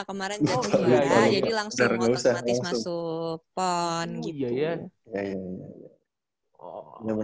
kemarin juara jadi langsung otomatis masuk pon gitu